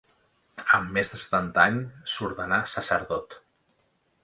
Amb més de setanta anys s'ordenà sacerdot.